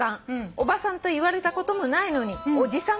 「おばさんと言われたこともないのにおじさんって」